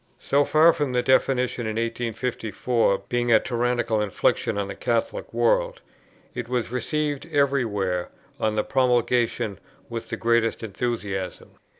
So far from the definition in 1854 being a tyrannical infliction on the Catholic world, it was received every where on its promulgation with the greatest enthusiasm.